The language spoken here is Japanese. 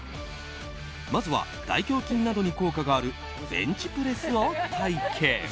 まずは大胸筋などに効果があるベンチプレスを体験。